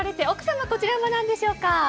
奥様、こちらは何でしょうか？